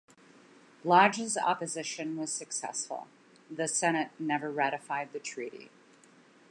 Lodge's opposition was successful: the Senate never ratified the treaty.